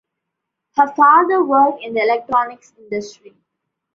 Her father worked in the electronics industry.